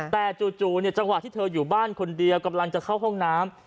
แต่จู่จังหวะที่เธออยู่บ้านคนเดียวกำลังจะเข้าห้องน้ำ